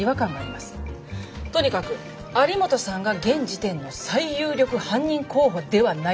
とにかく有本さんが現時点の最有力犯人候補ではないかと。